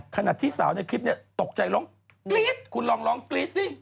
ขณะที่สาวในคลิปเนี่ยตกใจร้องกรี๊ดคุณลองร้องกรี๊ดดิ